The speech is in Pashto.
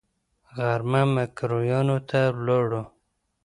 غرمه ميکرويانو ته ولاړو.